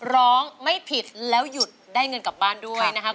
ร้องไม่ผิดแล้วหยุดได้เงินกลับบ้านด้วยนะครับ